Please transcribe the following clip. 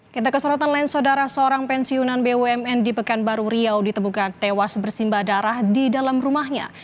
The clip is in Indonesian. kita ke sorotan lain saudara seorang pensiunan bumn di pekanbaru riau ditemukan tewas bersimba darah di dalam rumahnya